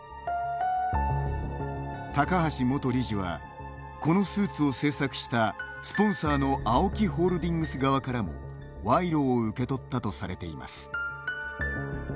高橋元理事はこのスーツを製作したスポンサーのＡＯＫＩホールディングス側からも賄賂を受け取ったとされています。